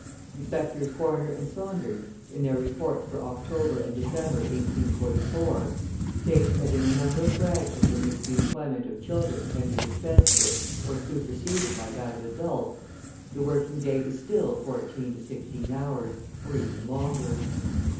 Inspectors Horner and Saunders, in their reports for October and December, 1844, state that, in a number of branches in which the employment of children can be dispensed with or superseded by that of adults, the working day is still fourteen to sixteen hours, or even longer.